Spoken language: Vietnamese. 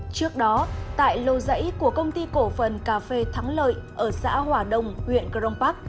trước đó tại lô dãy của công ty cổ phần cà phê thắng lợi ở xã hòa đông huyện cờ rông bắc